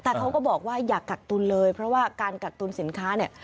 แต่เขาก็บอกว่าอย่ากักตุลเลยเพราะว่าการกักตุลสินค้าเนี่ย